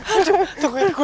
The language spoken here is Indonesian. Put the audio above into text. aduh tungguin gue